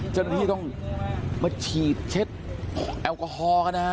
เจ้าหน้าที่ต้องมาฉีดเช็ดแอลกอฮอล์กันนะฮะ